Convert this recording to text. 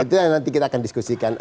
itu yang nanti kita akan diskusikan